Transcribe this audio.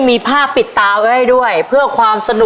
มีผ้าปิดตาไว้ด้วยเพื่อความสนุก